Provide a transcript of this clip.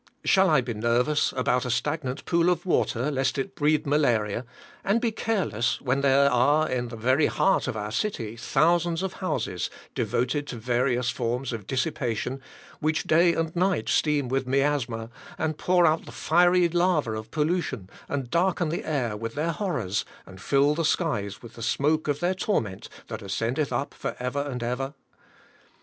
Shall I be nervous about a stagnant pool of water, lest it breed malaria, and be careless when there are in the very heart of our city thousands of houses, devoted to various forms of dissipation, which day and night steam with miasma, and pour out the fiery lava of pollution, and darken the air with their horrors, and fill the skies with the smoke of their torment, that ascendeth up forever and ever?